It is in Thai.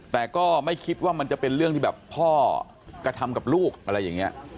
แต่ก็ไม่คิดว่ามันจะเป็นเรื่องที่แบบพ่อกระทำกับลูกอะไรอย่างนี้